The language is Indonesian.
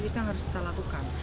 itu yang harus kita lakukan